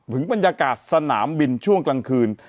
บรรยากาศสนามบินช่วงกลางคืน